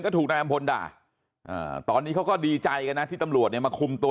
ถูกนายอำพลด่าตอนนี้เขาก็ดีใจกันนะที่ตำรวจเนี่ยมาคุมตัว